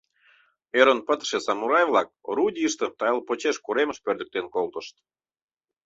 Ӧрын пытыше самурай-влак орудийыштым тайыл почеш коремыш пӧрдыктен колтышт.